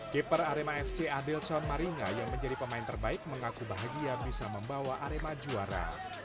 keeper arema fc adilson maringa yang menjadi pemain terbaik mengaku bahagia bisa membawa arema juara